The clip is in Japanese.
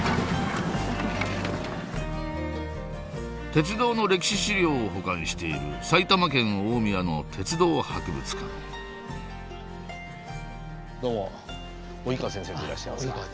鉄道の歴史資料を保管している埼玉県大宮の鉄道博物館どうも老川先生でいらっしゃいますか。